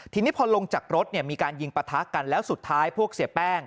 ทีนี้พอลงจากรถเนี่ยมีการยิงปะทะกันแล้วสุดท้ายพวกเสียแป้ง